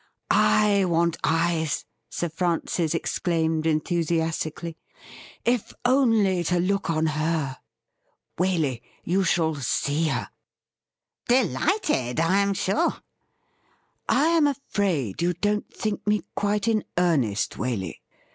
* I want eyes,' Sir Francis exclaimed enthusiastically, ' if only to look on her ! Waley, you shall see her !'' Delighted, I am sure.' *I am afraid you don't think me quite in earnest, Waley.